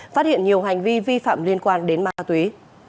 phát hiện nhiều hành vi vi phạm liên quan đến ma túy